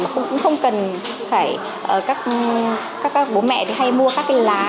cũng không cần phải các bố mẹ hay mua các cái lá